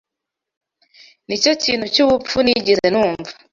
Nicyo kintu cyubupfu nigeze numva.